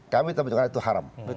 kami tetap menyebutkan itu haram